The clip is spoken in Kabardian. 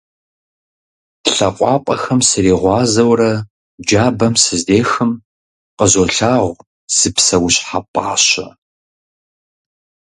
ЛъакъуапӀэхэм сригъуазэурэ джабэм сыздехым, къызолъагъу зы псэущхьэ пӀащэ.